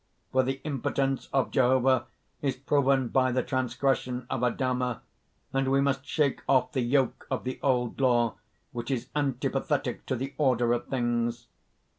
For the impotence of Jehovah is proven by the transgression of Adama, and we must shake off the yoke of the old law, which is antipathetic to the order of things.